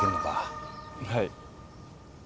はい。